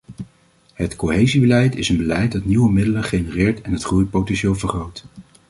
Het cohesiebeleid is een beleid dat nieuwe middelen genereert en het groeipotentieel vergroot.